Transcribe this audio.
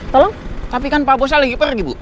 tapi pak bos lagi pergi